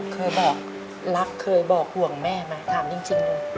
เคยบอกรักเคยบอกห่วงแม่ไหมถามจริง